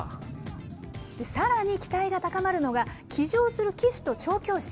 さらに、期待が高まるのが、騎乗する騎手と調教師。